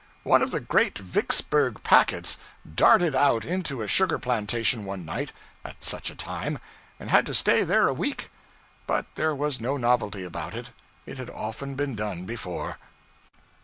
One of the great Vicksburg packets darted out into a sugar plantation one night, at such a time, and had to stay there a week. But there was no novelty about it; it had often been done before.